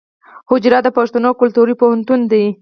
حجره د پښتنو کلتوري پوهنتون دی.